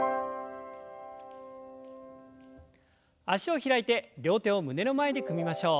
脚を開いて両手を胸の前で組みましょう。